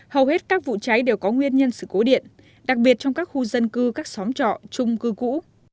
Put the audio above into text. hầu hết các vụ cháy đều có nguyên nhân sự cố điện đặc biệt trong các khu dân cư các xóm trọ chung cư cũ